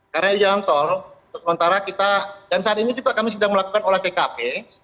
karena di jalan tol sementara kita dan saat ini juga kami sedang melakukan olah tkp